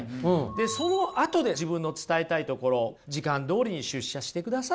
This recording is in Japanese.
でそのあとで自分の伝えたいところ時間どおりに出社してくださいと。